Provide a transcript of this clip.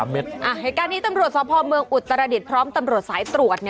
เหตุการณ์นี้ตำรวจสพเมืองอุตรดิษฐ์พร้อมตำรวจสายตรวจ